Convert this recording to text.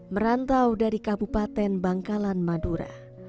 merantau dari kabupaten bangkalan madura